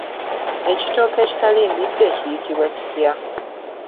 Ekitooke ekitali mbidde kiyitibwa kitya?